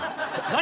何？